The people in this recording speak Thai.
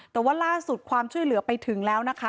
แต่ว่าล่าสุดความช่วยเหลือไปถึงแล้วนะคะ